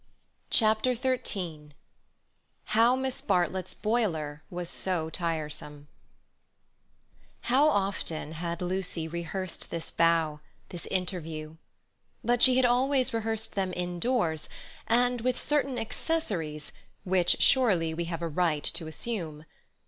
Chapter XIII How Miss Bartlett's Boiler Was So Tiresome How often had Lucy rehearsed this bow, this interview! But she had always rehearsed them indoors, and with certain accessories, which surely we have a right to assume.